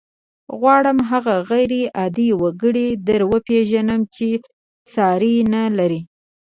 غواړم هغه غير عادي وګړی در وپېژنم چې ساری نه لري.